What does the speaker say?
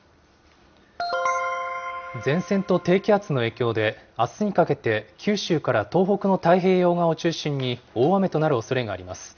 前線と低気圧の影響で、あすにかけて九州から東北の太平洋側を中心に大雨となるおそれがあります。